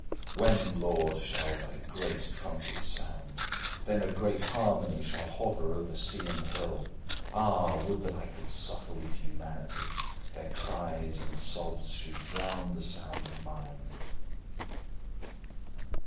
When, Lord, shall thy great trumpet sound? Then a great harmony shall hover over sea and hill. Ah! would that I could suffer with humanity; their cries and sobs should drown the sound of mine!